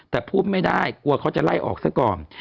แต่พูดไม่ได้กลัวเขาจะไล่ออกซะก่อน